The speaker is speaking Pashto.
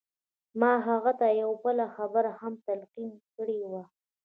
ما هغه ته يوه بله خبره هم تلقين کړې وه.